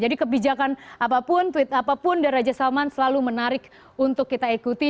jadi kebijakan apapun tweet apapun dari raja salman selalu menarik untuk kita ikuti